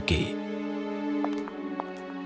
aku tidak bisa membiarkanmu pergi